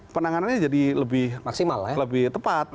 penanganannya jadi lebih tepat